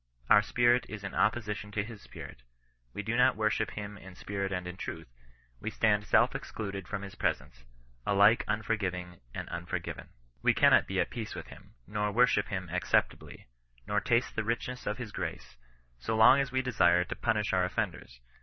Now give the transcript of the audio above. Our spirit is in op position to his spirit ; we do not worship him in spirit and in truth ; we stand self excluded from his presence — alike unforgiving and unforgiven. We cannot be at peace with him, nor worship him acceptably, nor taste the richness of his grace, so long as we desire to punish our offenders.